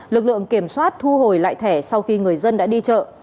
lực lượng kiểm soát thu hồi lại thẻ sau khi người dân đã đi chợ